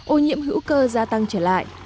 ô nhiễm hữu cơ gia tăng trở lại